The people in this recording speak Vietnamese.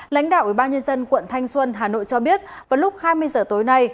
lãnh đạo ubnd quận thanh xuân hà nội cho biết vào lúc hai mươi giờ tối nay